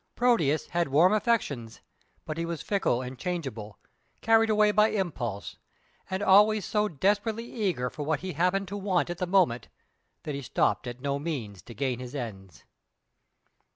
Proteus had warm affections, but he was fickle and changeable, carried away by impulse, and always so desperately eager for what he happened to want at the moment that he stopped at no means to gain his ends.